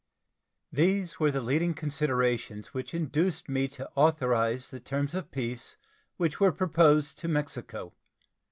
These were the leading considerations which induced me to authorize the terms of peace which were proposed to Mexico.